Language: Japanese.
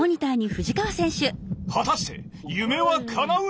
果たして夢はかなうのか！